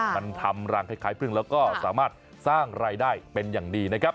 มันทำรังคล้ายพึ่งแล้วก็สามารถสร้างรายได้เป็นอย่างดีนะครับ